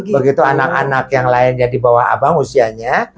begitu anak anak yang lainnya di bawah abang usianya